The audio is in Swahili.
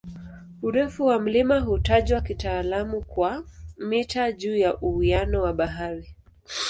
Urefu wa mlima hutajwa kitaalamu kwa "mita juu ya uwiano wa bahari".